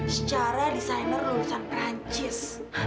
secara desainer lulusan perancis